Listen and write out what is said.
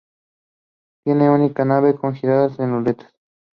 The charters mostly concern local matters.